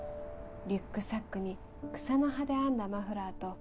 リュックサックに草の葉で編んだマフラーと